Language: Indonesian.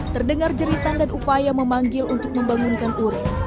terdengar jeritan dan upaya memanggil untuk membangunkan ureng